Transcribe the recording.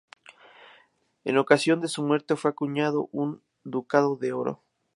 En ocasión de su muerte fue acuñado un ducado de oro.